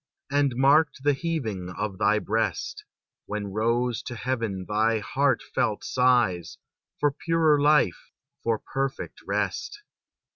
And marked the heaving of thy breast, When rose to heaven thy heartfelt sighs For purer life, for perfect rest.